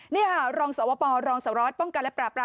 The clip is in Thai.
นี่ค่ะรองสาวพ่อรองสาวร้อดป้องกันและปราบราม